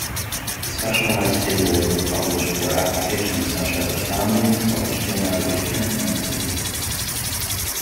Specialized tables were published for applications such as astronomy, celestial navigation and statistics.